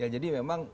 ya jadi memang